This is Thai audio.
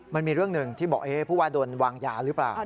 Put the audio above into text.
มันมีเรื่องหนึ่งที่บอกผู้ว่าโดนวางยาหรือเปล่า